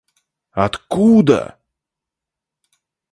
откуда